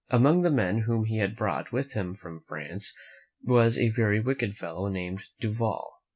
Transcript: Among the men whom he had brought with him from France, was a very wicked fellow named Duval.